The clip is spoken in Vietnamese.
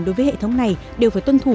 đối với hệ thống này đều phải tuân thủ